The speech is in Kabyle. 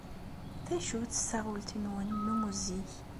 D acu-tt taɣult-nwen n ummuzzeg?